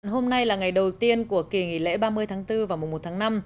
hôm nay là ngày đầu tiên của kỳ nghỉ lễ ba mươi tháng bốn và mùa một tháng năm